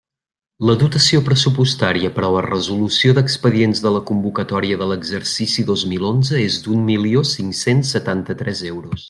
La dotació pressupostària per a la resolució d'expedients de la convocatòria de l'exercici dos mil onze és d'un milió cinc-cents setanta-tres euros.